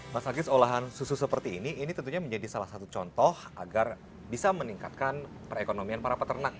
mas agis olahan susu seperti ini ini tentunya menjadi salah satu contoh agar bisa meningkatkan perekonomian para peternak